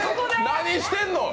何してんの？